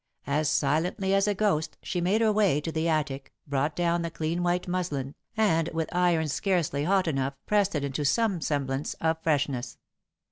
As silently as a ghost, she made her way to the attic, brought down the clean white muslin, and, with irons scarcely hot enough, pressed it into some semblance of freshness.